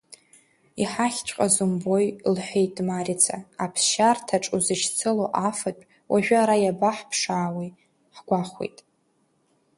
Иҳахьҵәҟьаз умбои, — лҳәеит Марица, аԥсшьарҭаҿ узышьцылоу афатә уажәы ара иабаҳаԥшаауеи ҳгәахәит.